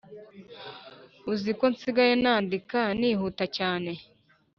uziko nsigaye nandika nihuta cyane